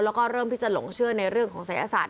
แล้วก็เริ่มที่จะหลงเชื่อในเรื่องของศัยศาสต